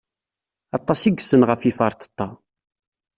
Aṭas i yessen ɣef yiferṭeṭṭa.